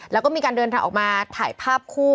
แล้วก็มีการเดินทางออกมาถ่ายภาพคู่